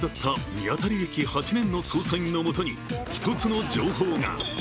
見当たり８年の捜査員のもとに一つの情報が。